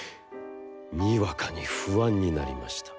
俄に不安になりました。